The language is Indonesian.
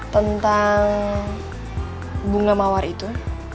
tentang bunga mawar itu